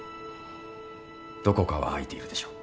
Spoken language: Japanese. どこかは空いているでしょう。